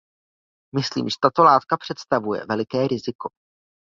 Myslím, že tato látka představuje veliké riziko.